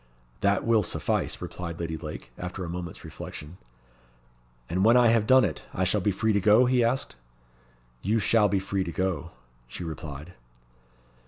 "That will suffice," replied Lady Lake, after a moment's reflection. "And when I have done it, I shall be free to go?" he asked. "You shall be free to go," she replied.